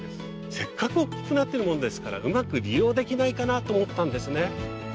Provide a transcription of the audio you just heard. せっかく大きくなってるもんですからうまく利用できないかなと思ったんですね。